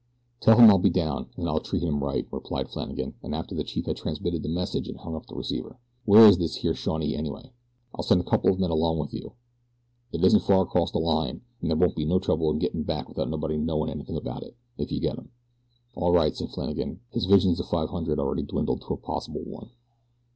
"Tell him I'll be down and that I'll treat him right," replied Flannagan, and after the chief had transmitted the message, and hung up the receiver: "Where is this here Shawnee, anyhow?" "I'll send a couple of men along with you. It isn't far across the line, an' there won't be no trouble in getting back without nobody knowin' anything about it if you get him." "All right," said Flannagan, his visions of five hundred already dwindled to a possible one.